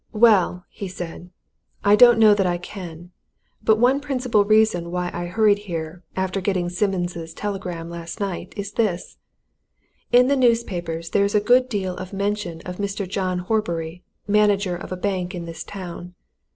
"Well," he said, "I don't know that I can. But one principal reason why I hurried here, after getting Simmons' telegram last night, is this: In the newspapers there is a good deal of mention of a Mr. John Horbury, manager of a bank in this town.